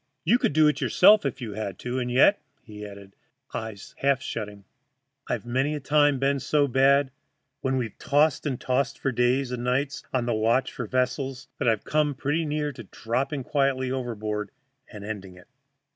You could do it yourself if you had to. And yet," he added, half shutting his eyes, "I've many a time been so bad when we've tossed and tossed for days and nights on the watch for vessels that I've come pretty near to dropping quietly overboard and ending it."